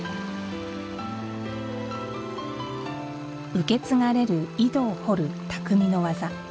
受け継がれる井戸を掘る匠の技。